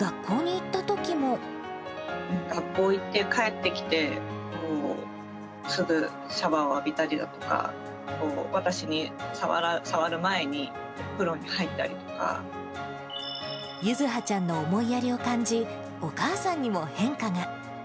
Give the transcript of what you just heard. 学校行って帰ってきて、もう、すぐシャワーを浴びたりだとか、私に触る前にお風呂に入っゆずはちゃんの思いやりを感じ、お母さんにも変化が。